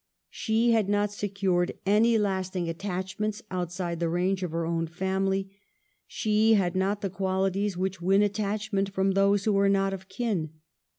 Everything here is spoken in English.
She had not secured any lasting attachments outside the range of her own family; she had not the qualities which win attachment from those who are not of kin.